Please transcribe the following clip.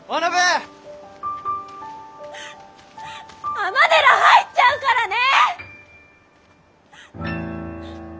尼寺入っちゃうからねー！